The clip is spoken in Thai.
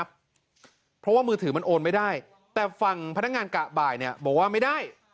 เพราะว่ามือถือมันโอนไม่ได้แต่ฝั่งพนักงานกะบ่ายเนี่ยบอกว่าไม่ได้